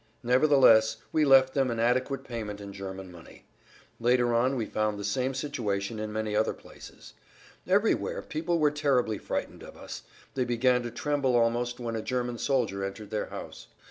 Nevertheless we left them an adequate payment in German money. Later on we found the same situation in many other places. Everywhere people were terribly frightened of us; they began to tremble almost when a German soldier entered their house.